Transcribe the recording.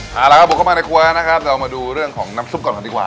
เอาละครับบุกเข้ามาในครัวนะครับเรามาดูเรื่องของน้ำซุปก่อนกันดีกว่า